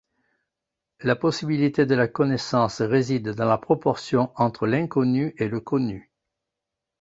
La possibilité de la connaissance réside dans la proportion entre l’inconnu et le connu.